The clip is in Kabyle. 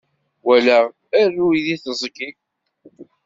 Walaɣ aruy di teẓgi.